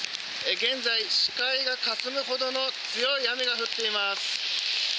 現在、視界がかすむほどの強い雨が降っています。